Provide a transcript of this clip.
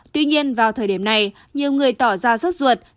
tuy nhiên vào thời điểm này nhiều người tỏ ra rất ruột